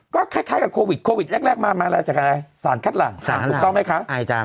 ก็คล้ายกับโควิดโควิดแรกมามาอะไรจากอะไรสารคัดหลังสารถูกต้องไหมคะ